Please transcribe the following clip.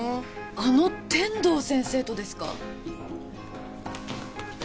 あの天堂先生とですか！？